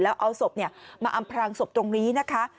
แล้วเอาศพมาอำพรางศพตรงนี้นะคะ